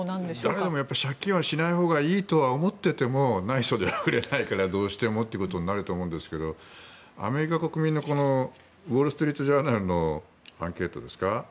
だけども借金はしないほうがいいとは思っていてもない袖は振れないからどうしてもっていうことになると思うんですがアメリカ国民のウォール・ストリート・ジャーナルのアンケートですか。